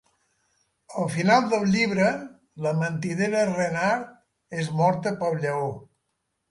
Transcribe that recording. Al final del llibre, la mentidera Renard és morta pel lleó.